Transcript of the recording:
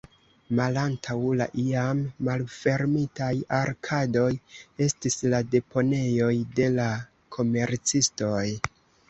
Malantaŭ la iam malfermitaj arkadoj estis la deponejoj de la komercistoj.